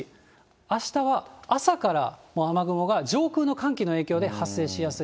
あしたは朝から雨雲が上空の寒気の影響で、発生しやすい。